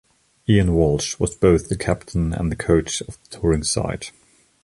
Ian Walsh was both the captain and the coach of the touring side.